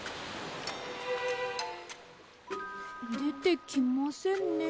でてきませんね。